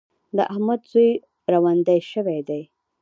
د احمد زوی روندی شوی دی.